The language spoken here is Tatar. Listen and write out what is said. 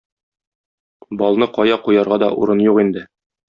Балны кая куярга да урын юк инде.